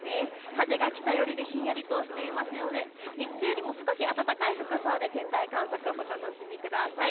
風が北寄りでひんやりとしていますので日中よりも少し温かい服装で天体観測をお楽しみください。